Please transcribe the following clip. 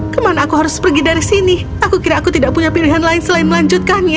kemana aku harus pergi dari sini aku kira aku tidak punya pilihan lain selain melanjutkannya